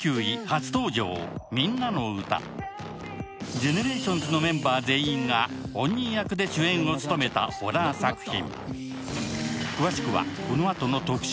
ＧＥＮＥＲＡＴＩＯＮＳのメンバー全員が本人役で主演を務めたホラー作品。